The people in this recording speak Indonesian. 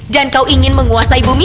dan kau ingin menguasai bumi